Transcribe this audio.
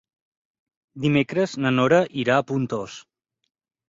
Dimecres na Nora irà a Pontós.